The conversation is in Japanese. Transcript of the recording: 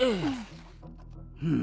うん。